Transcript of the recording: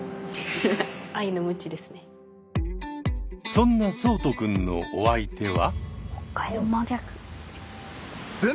そんな聡人くんのお相手は。